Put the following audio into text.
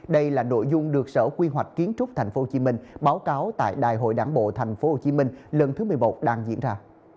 đây là nội dung được sở quy hoạch kiến trúc tp hcm báo cáo tại đại hội đảng bộ tp hcm lần thứ một mươi một đang diễn ra